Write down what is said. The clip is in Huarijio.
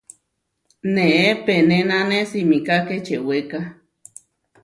Neé penénane simiká kečewéka.